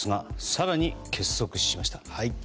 更に結束しました。